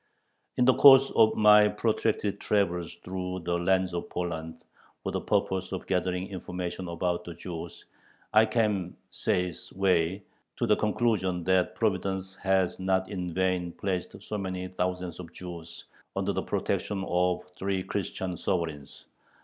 In the course of my protracted travels through the lands of Poland, for the purpose of gathering information about the Jews, I came says Way to the conclusion that Providence has not in vain placed so many thousands of Jews under the protection of three Christian sovereigns.